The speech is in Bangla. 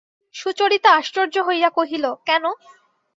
সুচরিতা আশ্চর্য হইয়া কহিল, কেন?